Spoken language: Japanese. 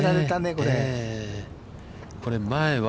これ前は。